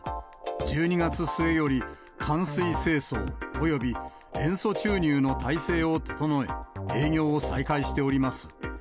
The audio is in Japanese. １２月末より、換水清掃および塩素注入の体制を整え、営業を再開しております。